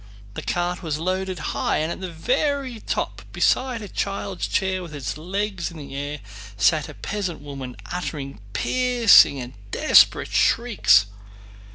The cart was loaded high, and at the very top, beside a child's chair with its legs in the air, sat a peasant woman uttering piercing and desperate shrieks.